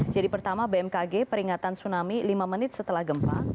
jadi pertama bmkg peringatan tsunami lima menit setelah gempa